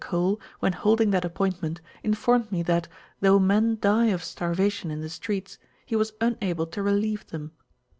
Cole, when holding that appointment, informed me that, though men die of starvation in the streets, he was unable to relieve them.